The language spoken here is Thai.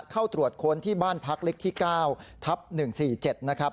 เข้าตรวจค้นที่บ้านพักเล็กที่๙ทับ๑๔๗นะครับ